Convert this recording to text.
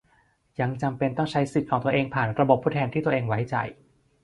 ยังจำเป็นต้องใช้สิทธิ์ของตัวเองผ่านระบบผู้แทนที่ตัวเองไว้ใจ